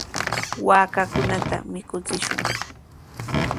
Wakchakunata mikuchishun.